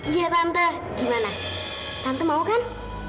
iya tante gimana tante mau kan